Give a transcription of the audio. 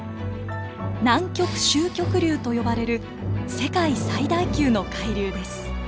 南極周極流と呼ばれる世界最大級の海流です。